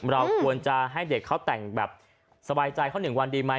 เราควรจะให้เด็กเขาแต่งแบบสบายใจเขา๑วันดีไหม